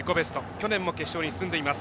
去年も決勝に進んでいます。